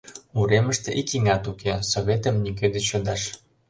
Уремыште ик еҥат уке, Советым нигӧ деч йодаш.